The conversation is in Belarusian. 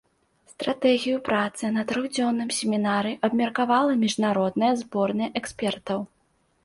Стратэгію працы на трохдзённым семінары абмеркавала міжнародная зборная экспертаў.